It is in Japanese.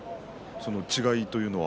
その違いというのは。